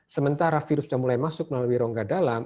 sementara virus yang mulai masuk melalui rongga dalam